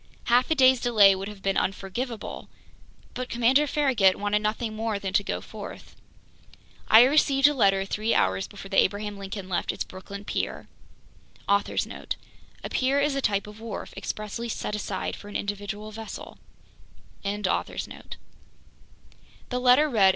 Half a day's delay would have been unforgivable! But Commander Farragut wanted nothing more than to go forth. I received a letter three hours before the Abraham Lincoln left its Brooklyn pier;* the letter read as follows: *Author's Note: A pier is a type of wharf expressly set aside for an individual vessel.